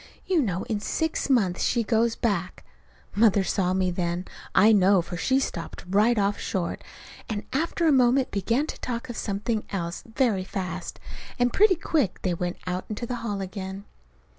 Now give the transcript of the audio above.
You know in six months she goes back " Mother saw me then, I know; for she stopped right off short, and after a moment began to talk of something else, very fast. And pretty quick they went out into the hall again.